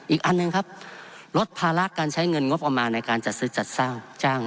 อีกอันหนึ่งครับลดภาระการใช้เงินงบประมาณในการจัดซื้อจัดสร้างจ้าง